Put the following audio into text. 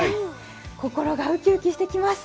心がウキウキしてきます。